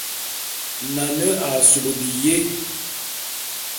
Nane a sob biyé.